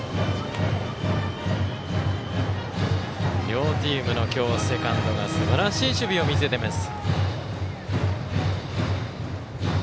両チームのセカンドが今日すばらしい守備を見せています。